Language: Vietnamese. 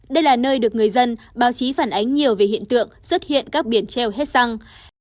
đây là nơi được người dân báo chí phản ánh nhiều về hiện tượng xuất hiện các biển treo hết xăng